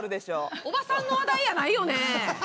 おばさんの話題やないよね。